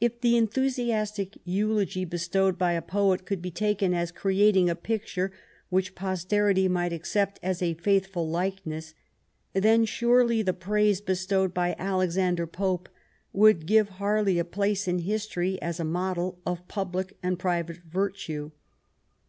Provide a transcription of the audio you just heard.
If the enthu siastic eulogy bestowed by a poet could be taken as creating a picture which posterity might accept as a faithful likeness, then surely the praise bestowed by Alexander Pope would give Harley a place in history as a model of public and private virtue.